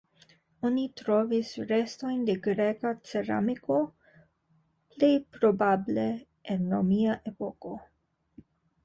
Oni trovis restojn de greka ceramiko, plej probable el romia epoko.